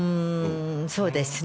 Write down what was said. そうですね。